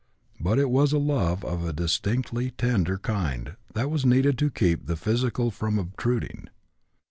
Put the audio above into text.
But it was a love of a distinctly tender kind that was needed to keep the physical from obtruding.